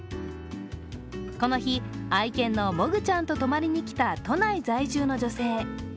この日、愛犬のもぐちゃんと泊まりに来た都内在住の女性。